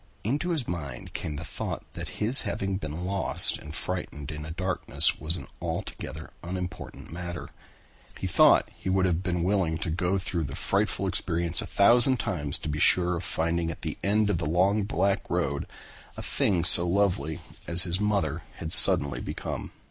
Into his mind came the thought that his having been lost and frightened in the darkness was an altogether unimportant matter. He thought that he would have been willing to go through the frightful experience a thousand times to be sure of finding at the end of the long black road a thing so lovely as his mother had suddenly become.